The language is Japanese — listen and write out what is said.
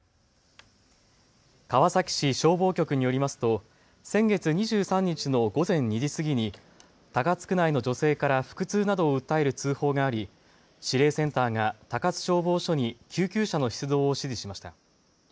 川崎市消防局によりますと先月２３日の午前２時過ぎに高津区内の女性から腹痛などを訴える通報があり指令センターが高津消防署に救急車の出動を指示しました。